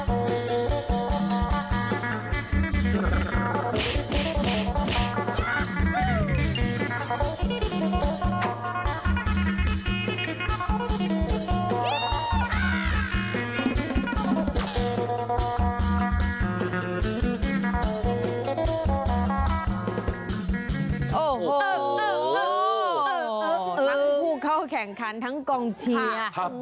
ทั้งผู้เข้าแข่งขันทั้งกองเชียร์